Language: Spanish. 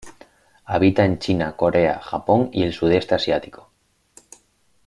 Habita en China, Corea, Japón y el Sudeste Asiático.